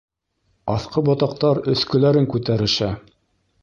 Аҫҡы ботаҡтар өҫкөләрен күтәрешә.